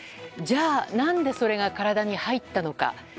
じゃあ、何でそれが体に入ったのか。